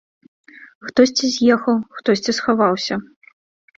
Хтосьці з'ехаў, хтосьці схаваўся.